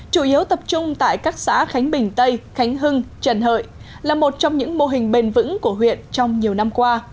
chủ yếu tập trung tại các xã khánh bình tây khánh hưng trần hợi là một trong những mô hình bền vững của huyện trong nhiều năm qua